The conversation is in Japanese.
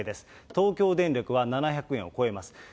東京電力は７００円を超えます。